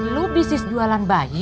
lu bisnis jualan bayi